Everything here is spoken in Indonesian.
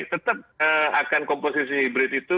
tetap akan komposisi hybrid itu